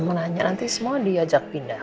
mau nanya nanti semua diajak pindah